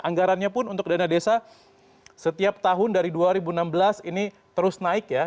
anggarannya pun untuk dana desa setiap tahun dari dua ribu enam belas ini terus naik ya